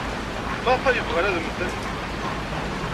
Maɣef ay bɣan ad mmten?